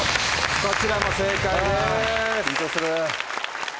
こちらも正解です。